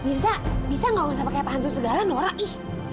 mirza bisa nggak usah pakai pantun segala norak ih